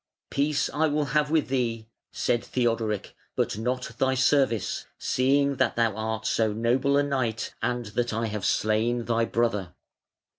"Peace I will have with thee", said Theodoric, "but not thy service, seeing that thou art so noble a knight, and that I have slain thy brother.